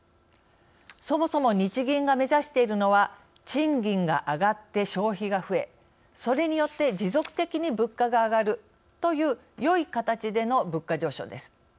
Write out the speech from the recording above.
そもそも日銀が目指しているのは賃金が上がって消費が増えそれによって持続的に物価が上がるというよい形での物価上昇です。